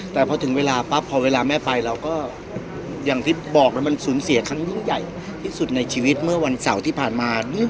แต่พอถึงเวลาปั๊บพอเวลาแม่ไปเราก็อย่างที่บอกแล้วมันสูญเสียครั้งยิ่งใหญ่ที่สุดในชีวิตเมื่อวันเสาร์ที่ผ่านมา